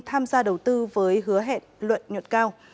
tham gia đầu tư với hứa hẹn luận nhuận cao